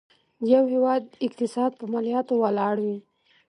د یو هيواد اقتصاد په مالياتو ولاړ وي.